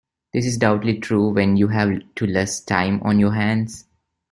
This is doubly true when you have to less time on your hands.